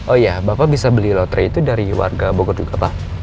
oh iya bapak bisa beli lotre itu dari warga bogor juga pak